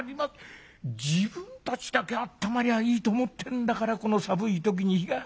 自分たちだけあったまりゃいいと思ってんだからこの寒い時に。